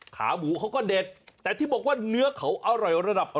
ขาหมูเขาก็เด็ดแต่ที่บอกว่าเนื้อเขาอร่อยระดับ